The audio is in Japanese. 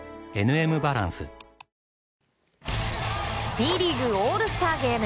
Ｂリーグオールスターゲーム。